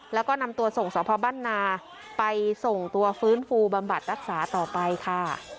แล้วก็นำตัวส่งสพบ้านนาไปส่งตัวฟื้นฟูบำบัดรักษาต่อไปค่ะ